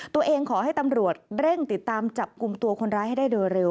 ขอให้ตำรวจเร่งติดตามจับกลุ่มตัวคนร้ายให้ได้โดยเร็ว